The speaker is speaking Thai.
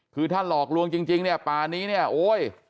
คือถ้าหลอกลวงจริงเนี่ยป่านี้เนี่ยโอ๊ย